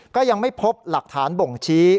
ก็ยังไม่พบหลักฐานนะครับ